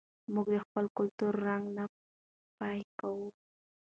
موږ د خپل کلتور رنګ نه پیکه کوو.